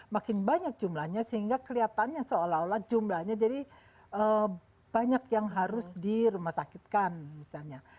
makin banyak jumlahnya sehingga kelihatannya seolah olah jumlahnya jadi banyak yang harus dirumah sakitkan misalnya